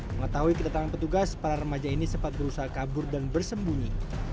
mengetahui kedatangan petugas para remaja ini sempat berusaha kabur dan bersembunyi